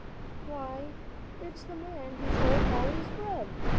"Why, it's the man who stole Polly's bread!"